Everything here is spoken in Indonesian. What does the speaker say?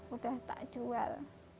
udah tak jual